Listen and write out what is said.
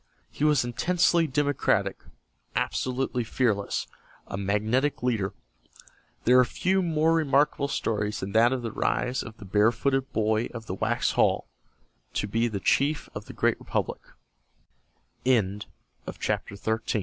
He was intensely democratic, absolutely fearless, a magnetic leader. There are few more remarkable stories than that of the rise of the barefooted boy of the Waxhaw to be the chief of the great re